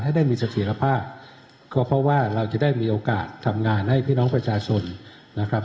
ให้ได้มีเสถียรภาพก็เพราะว่าเราจะได้มีโอกาสทำงานให้พี่น้องประชาชนนะครับ